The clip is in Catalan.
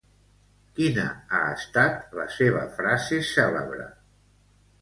Quina ha estat la seva frase cèlebre?